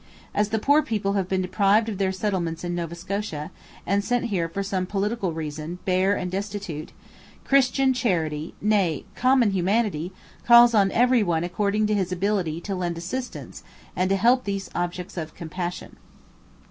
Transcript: As the poor people have been deprived of their settlements in Nova Scotia, and sent here for some political reason bare and destitute, Christian charity, nay, common humanity, calls on every one according to his ability to lend assistance and to help these objects of compassion.'